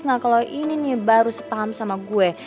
nah kalo ini nih baru setaham sama gue